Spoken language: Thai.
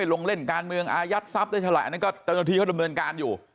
ตรงเล่นการเมืองอายัดทรัพย์ได้เฉลี่ยอันนั้นก็ตอนที่เขาดำเนินการอยู่